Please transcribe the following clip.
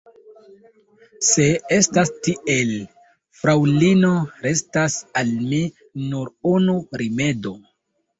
Se estas tiel, fraŭlino, restas al mi nur unu rimedo.